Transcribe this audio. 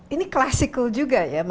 ini klasik juga ya